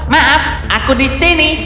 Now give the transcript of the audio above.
maaf aku di sini